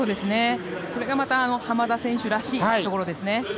それがまた濱田選手らしいところですね。